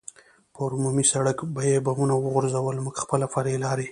پر عمومي سړک به یې بمونه وغورځول، موږ خپله فرعي لارې.